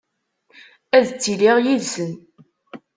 Ad ttiliɣ yid-sen.